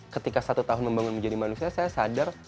ketika satu tahun membangun menjadi manusia saya sadar